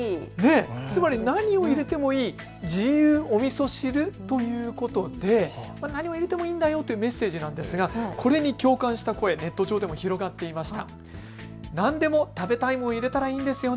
つまり何を入れてもいい自由お味噌汁ということでなんでもいいんだよというメッセージなんですがそれに共感した声、ネット上でも広がっていました。